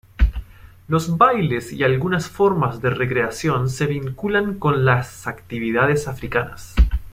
Los bailes y algunas formas de recreación se vinculan con las actividades africanas.